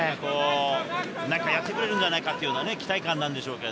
何かやってくれるんじゃないかっていう期待感なんでしょうか？